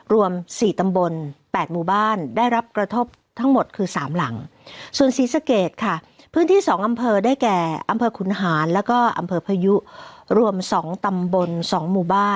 รวม๔ตำบล๘หมู่บ้านได้รับกระทบทั้งหมดคือ๓หลัง